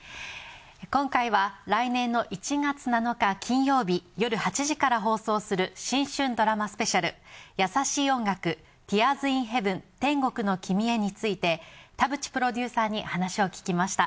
今回は来年の１月７日金曜日夜８時から放送する新春ドラマスペシャル『優しい音楽ティアーズ・イン・ヘヴン天国のきみへ』について田淵プロデューサーに話を聞きました。